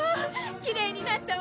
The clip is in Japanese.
きれいになったわ。